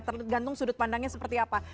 tergantung sudut pandangnya seperti apa